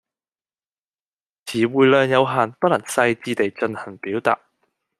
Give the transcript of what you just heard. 辭彙量有限，不能細致地進行表達